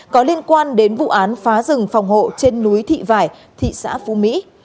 có liên quan đến vụ án phá rừng phòng hộ trên núi thị vải thị xã phú mỹ